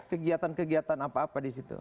kegiatan kegiatan apa apa di situ